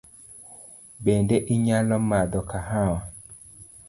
Bende inyalo madho kahawa?